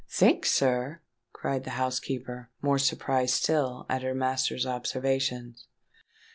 "Think, sir?" cried the housekeeper, more surprised still at her master's observations.